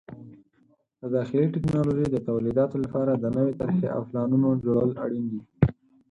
د داخلي ټکنالوژۍ د تولیداتو لپاره د نوې طرحې او پلانونو جوړول اړین دي.